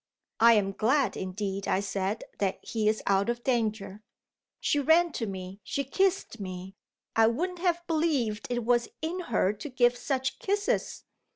"I am glad indeed," I said, "that he is out of danger." She ran to me she kissed me; I wouldn't have believed it was in her to give such kisses.